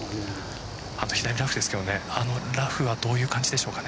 左ラフですけどラフはどういう感じでしょうか。